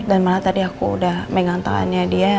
dan malah tadi aku udah mengantarannya dia